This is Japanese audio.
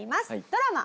ドラマ